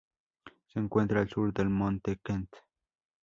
Se encuentra al sur del Monte Kent.